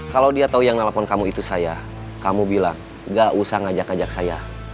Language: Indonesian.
kalau dia tahu yang nelfon kamu itu saya kamu bilang gak usah ngajak ngajak saya